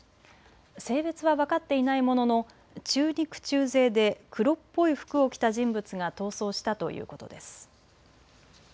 性別は分かっていないものの中肉中背で黒っぽい服を着た人物が逃走したということです。